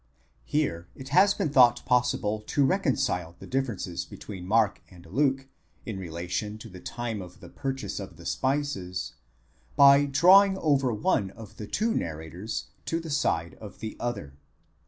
Here it has been thought possible to reconcile the difference between Mark and Luke in relation to the time of the purchase of the spices, by drawing over one of the two narrators to the side of the other.